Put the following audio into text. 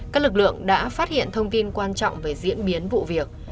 các lực lượng đã phát hiện thông tin quan trọng về diễn biến vụ việc